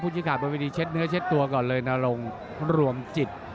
ที่ขาดบนวิธีเช็ดเนื้อเช็ดตัวก่อนเลยนรงรวมจิต